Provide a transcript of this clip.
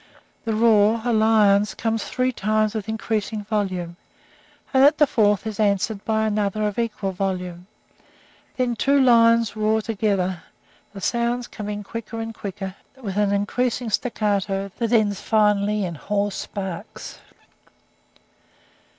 The roar, a lion's, comes three times with increasing volume, and at the fourth is answered by another of equal volume; then two lions roar together, the sounds coming quicker and quicker, with an increasing staccato that ends finally in hoarse barks.